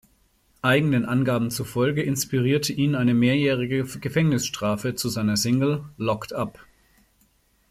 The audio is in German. Eigenen Angaben zufolge inspirierte ihn eine mehrjährige Gefängnisstrafe zu seiner Single "Locked Up".